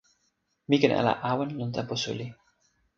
mi ken ala awen lon tenpo suli.